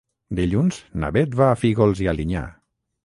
Dilluns na Bet va a Fígols i Alinyà.